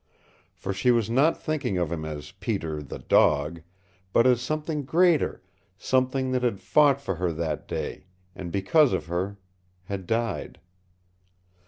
For she was not thinking of him as Peter, the dog, but as something greater something that had fought for her that day, and because of her had died.